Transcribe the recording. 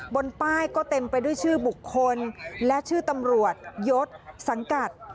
บนป้ายก็เต็มไปด้วยชื่อบุคคลและชื่อตำรวจยศสังกัด